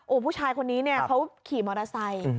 ผู้ชายคนนี้เนี่ยเขาขี่มอเตอร์ไซค์